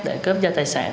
để cướp dật tài sản